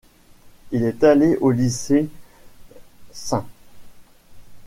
Il est allé au lycée St.